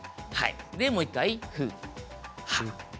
もう１回。